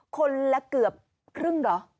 คนละเกือบครึ่งเหรอ